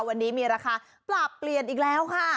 วันนี้มีราคาปรับเปลี่ยนอีกแล้วค่ะ